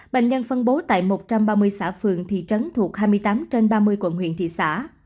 bệnh nhân phân bố tại một trăm ba mươi xã phường thị trấn thuộc hai mươi tám trên ba mươi quận huyện thị xã